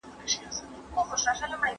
سياسي مشران بايد تل د خپلو کړنو ځواب ووايي.